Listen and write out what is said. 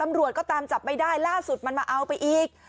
ตำรวจก็ตามจับไม่ได้ล่าสุดมันมาเอาไปอีก